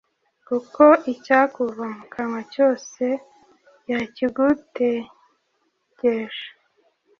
kuko icyakuva mu kanwa cyose, yakigutegesha